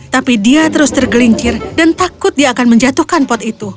tapi dia terus tergelincir dan takut dia akan menjatuhkan pot itu